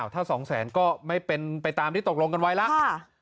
ถ้า๒แสนก็ไม่เป็นไปตามที่ตกลงกันไว้แล้ว